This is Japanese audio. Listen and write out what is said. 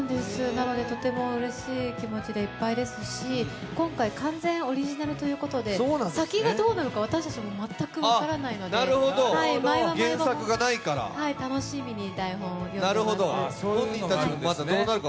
なのでとてもうれしい気持ちでいっぱいですし今回、完全オリジナルということで、先がどうなるか私たちも全く分からないので毎話、毎話、楽しみに台本を読んでいます。